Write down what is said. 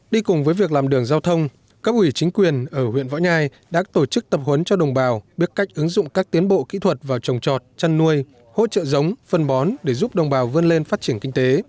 đi cùng với việc làm đường giao thông cấp ủy chính quyền ở huyện võ nhai đã tổ chức tập huấn cho đồng bào biết cách ứng dụng các tiến bộ kỹ thuật vào trồng trọt chăn nuôi hỗ trợ giống phân bón để giúp đồng bào vươn lên phát triển kinh tế